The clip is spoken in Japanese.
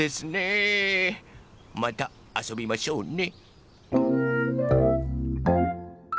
またあそびましょうね。